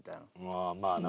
ああまあな。